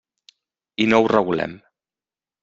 I no ho regulem.